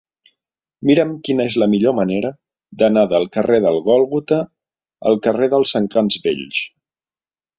Mira'm quina és la millor manera d'anar del carrer del Gòlgota al carrer dels Encants Vells.